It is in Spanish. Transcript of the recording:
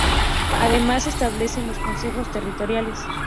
Además se establecen dos consejos territoriales.